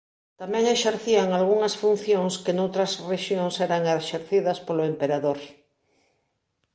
Tamén exercían algunhas funcións que noutras rexións eran exercidas polo Emperador.